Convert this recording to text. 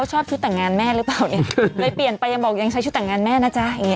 ชอบชุดแต่งงานแม่หรือเปล่าเนี่ยเลยเปลี่ยนไปยังบอกยังใช้ชุดแต่งงานแม่นะจ๊ะอย่างเ